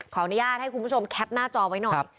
อนุญาตให้คุณผู้ชมแคปหน้าจอไว้หน่อย